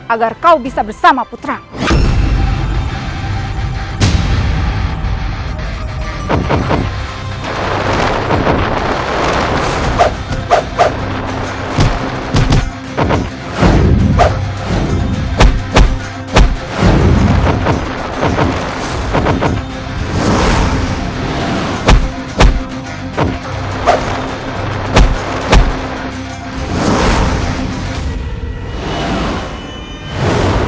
agar kau bisa bersama putramu